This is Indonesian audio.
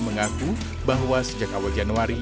mengaku bahwa sejak awal januari